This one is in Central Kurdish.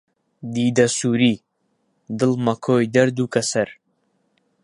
دیدە سووری، دڵ مەکۆی دەرد و کەسەر